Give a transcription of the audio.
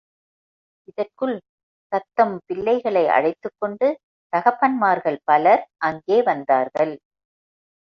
இதற்குள் தத்தம் பிள்ளைகளை அழைத்துக்கொண்டு, தகப்பன்மார்கள் பலர் அங்கே வந்தார்கள்.